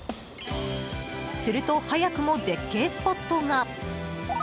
すると早くも絶景スポットが。